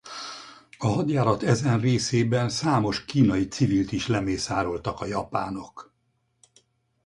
A hadjárat ezen részében számos kínai civilt is lemészároltak a japánok.